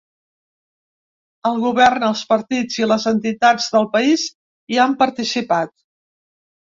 El govern, els partits i les entitats del país hi han participat.